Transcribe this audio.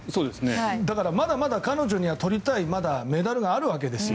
だから、まだまだ彼女には取りたいメダルがあるわけですよ。